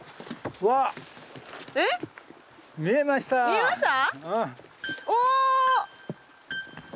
見えました？